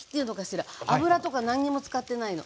油とか何にも使ってないの。